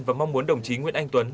và mong muốn đồng chí nguyễn anh tuấn